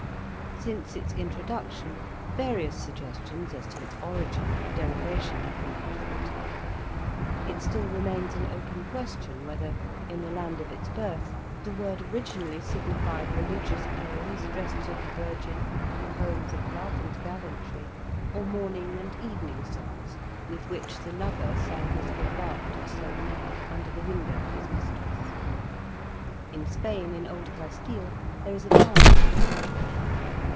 Since its introduction various suggestions as to its origin and derivation have been offered ; it still remains an open question whether, in the land of its birth, the word originally signified religious poems, addressed to the Virgin ; poems of love and gallantry ; or morning and evening songs, with which the lover sang his aubades or serenades under the window of his mistress. In Spain, in Old Castile, there is a town called "Madrigal."